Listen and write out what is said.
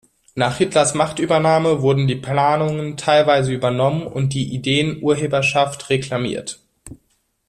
Nach Hitlers Machtübernahme wurden die Planungen teilweise übernommen und die Ideen-Urheberschaft reklamiert.